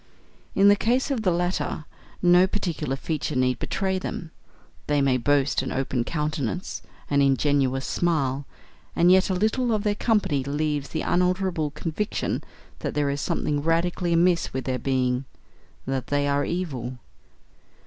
In the case of the latter, no particular feature need betray them; they may boast an open countenance and an ingenuous smile; and yet a little of their company leaves the unalterable conviction that there is something radically amiss with their being: that they are evil.